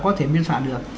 có thể biên soạn được